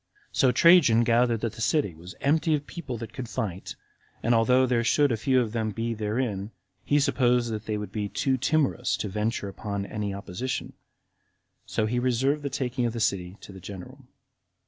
So Trajan gathered that the city was empty of people that could fight, and although there should a few of them be therein, he supposed that they would be too timorous to venture upon any opposition; so he reserved the taking of the city to the general.